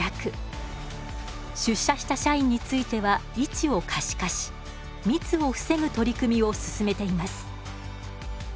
出社した社員については位置を可視化し密を防ぐ取り組みを進めています。